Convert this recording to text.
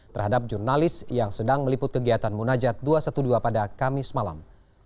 terhadap jurnalis yang sedang meliput kegiatan munajat dua ratus dua belas pada kamis malam